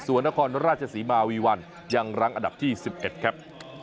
ส่วนนครราชศรีมาวีวันยังรั้งอันดับที่๑๑ครับ